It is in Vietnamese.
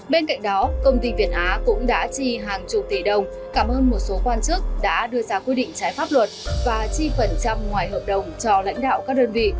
bên cạnh đó công ty việt á cũng đã chi hàng chục tỷ đồng cảm ơn một số quan chức đã đưa ra quy định trái pháp luật và chi phần trăm ngoài hợp đồng cho lãnh đạo các đơn vị